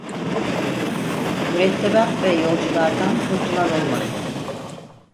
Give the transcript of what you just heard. Mürettebat ve yolculardan kurtulan olmadı.